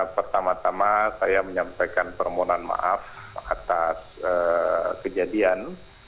pertama tama saya menyampaikan permohonan maaf atas kejadian